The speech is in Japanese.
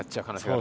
あ。